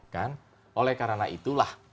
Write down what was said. kan oleh karena itulah